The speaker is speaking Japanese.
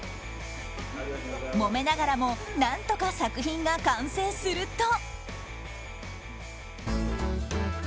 もめながらも何とか作品が完成すると。